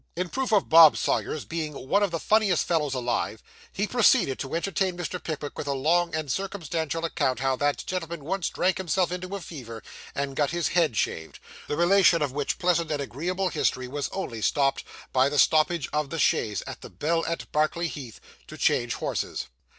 In proof of Bob Sawyer's being one of the funniest fellows alive, he proceeded to entertain Mr. Pickwick with a long and circumstantial account how that gentleman once drank himself into a fever and got his head shaved; the relation of which pleasant and agreeable history was only stopped by the stoppage of the chaise at the Bell at Berkeley Heath, to change horses.